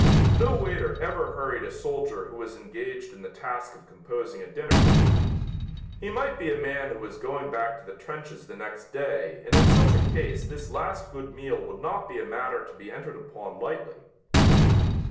No waiter ever hurried a soldier who was engaged in the task of composing a dinner. He might be a man who was going back to the trenches the next day and in such a case this last good meal would not be a matter to be entered upon lightly.